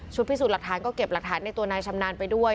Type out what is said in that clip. พิสูจน์หลักฐานก็เก็บหลักฐานในตัวนายชำนาญไปด้วย